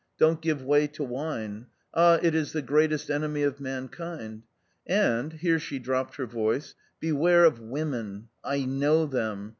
Don't give way to wine; ah, it is the greatest enemy of mankind! And," here she dropped her voice, " beware of women L J kno w them.